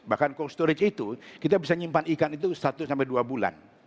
bahkan cold storage itu kita bisa nyimpan ikan itu satu sampai dua bulan